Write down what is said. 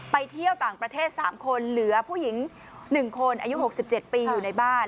ไปเที่ยวต่างประเทศ๓คนเหลือผู้หญิง๑คนอายุ๖๗ปีอยู่ในบ้าน